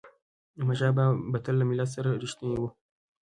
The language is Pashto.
احمدشاه بابا به تل له ملت سره رښتینی و.